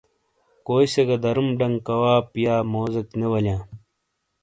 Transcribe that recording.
کوئی سے گہ داروم ڈنگ کواپ یا موزیک نے والیاں۔